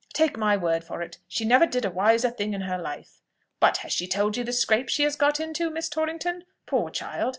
Take my word for it, she never did a wiser thing in her life. But has she told you the scrape she has got into, Miss Torrington? Poor child!